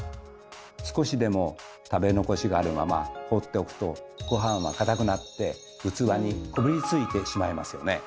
少しでも食べ残しがあるまま放っておくとごはんはかたくなって器にこびりついてしまいますよね。